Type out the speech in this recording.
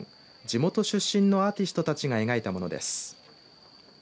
地元出身のアーティストたちが描いたものです。